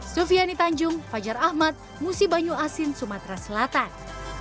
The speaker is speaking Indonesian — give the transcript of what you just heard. sufiani tanjung fajar ahmad musi banyu asin sumatera selatan